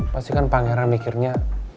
pasti kan pangeran mikirnya